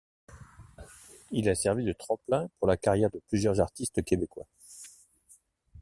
Il a servi de tremplin pour la carrière de plusieurs artistes québécois.